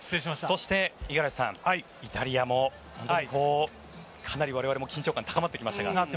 そして五十嵐さん、イタリアもかなり我々も緊張感が高まってきました。